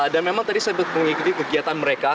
dan memang tadi saya sempat mengikuti kegiatan mereka